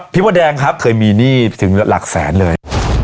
พี่มดแดงเคยมีหนี้ถึงหลักแสนเลย